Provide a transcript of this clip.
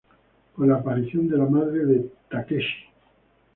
Con la aparición de la madre de Takeshi.